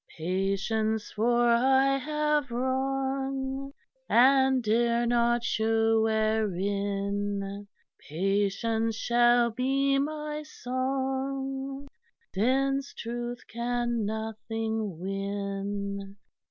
"Patience! for I have wrong, And dare not shew wherein; Patience shall be my song; Since truth can nothing win.